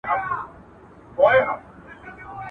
څه به زر کلونه د خیالي رستم کیسه کوې.